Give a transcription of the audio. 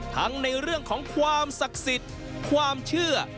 ในเรื่องของความศักดิ์สิทธิ์ความเชื่อ